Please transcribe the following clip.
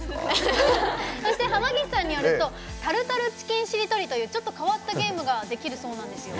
濱岸さんによるとタルタルチキンしりとりというちょっと変わったゲームができるそうなんですよ。